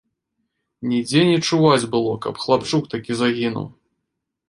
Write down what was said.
Нідзе не чуваць было, каб хлапчук такі загінуў.